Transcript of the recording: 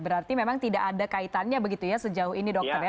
berarti memang tidak ada kaitannya begitu ya sejauh ini dokter ya